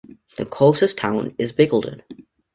The closest town is Bickleton.